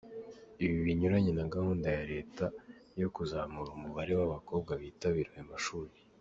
Ibi binyuranye na gahunda ya leta yo kuzamura umubare w’abakobwa bitabira ayo mashuri.